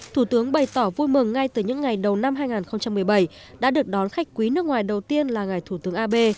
thủ tướng bày tỏ vui mừng ngay từ những ngày đầu năm hai nghìn một mươi bảy đã được đón khách quý nước ngoài đầu tiên là ngài thủ tướng abe